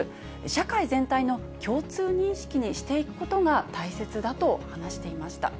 社会全体の共通認識にしていくことが大切だと話していました。